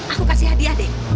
aku kasih hadiah deh